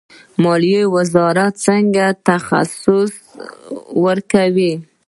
مالیې وزارت څنګه تخصیص ورکوي؟